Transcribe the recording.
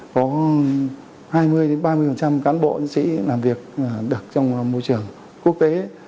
có hai mươi ba mươi cán bộ chiến sĩ làm việc được trong môi trường quốc tế